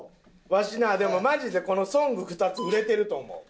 わしなあでもマジでこのソング２つ売れてると思う。